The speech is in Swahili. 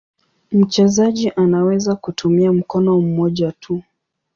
Mchezaji anaweza kutumia mkono mmoja tu.